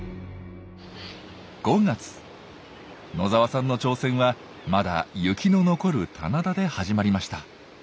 野澤さんの挑戦はまだ雪の残る棚田で始まりました。